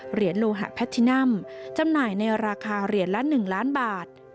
โลหะแพทินัมจำหน่ายในราคาเหรียญละ๑ล้านบาท